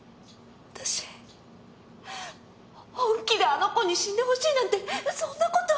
私本気であの子に死んで欲しいなんてそんな事！